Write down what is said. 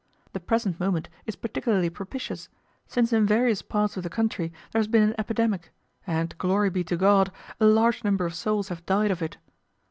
The present moment is particularly propitious, since in various parts of the country there has been an epidemic, and, glory be to God, a large number of souls have died of it.